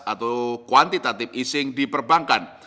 atau kuantitative easing di perbankan